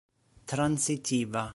transitiva